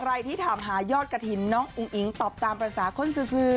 ใครที่ถามหายอดกระถิ่นน้องอุ้งอิ๋งตอบตามภาษาคนซื้อ